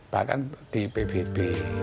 bahkan di pbb